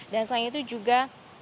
dan selain itu juga